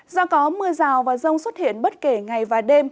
do có mưa rào và rông xuất hiện bất kể ngày và đêm